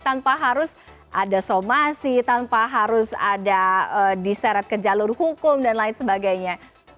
tanpa harus ada somasi tanpa harus ada diseret ke jalur hukum dan lain sebagainya